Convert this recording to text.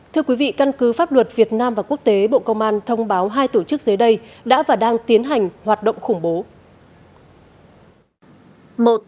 thưa quý vị căn cứ pháp luật việt nam và quốc tế bộ công an thông báo hai tổ chức dưới đây đã và đang tiến hành hoạt động khủng bố